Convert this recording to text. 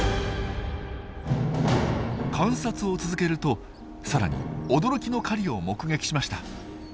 観察を続けるとさらに驚きの狩りを目撃しました。